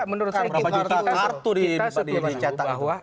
menurut saya kita setuju bahwa